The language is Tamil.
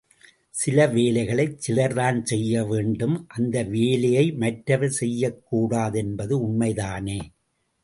சில வேலைகளைச் சிலர் தான் செய்யவேண்டும் அந்த வேலையை மற்றவர் செய்யக்கூடாது என்பது உண்மைதானே!